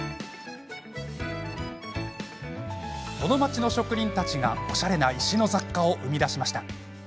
この町の職人たちが、おしゃれな石の雑貨を生み出しました。